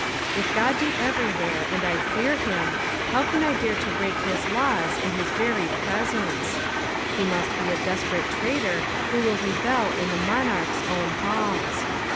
If Ood be everywhere, and I fear him, how can I dare to break his laws in his very presence t He must he a desperate traitor who will rebel in the monsrch'B own halls.